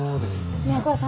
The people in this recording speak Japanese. ねえお母さん？